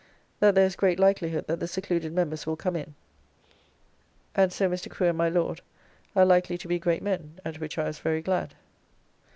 That there is great likelihood that the secluded members will come in, and so Mr. Crew and my Lord are likely to be great men, at which I was very glad.